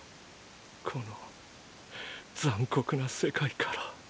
この残酷な世界から。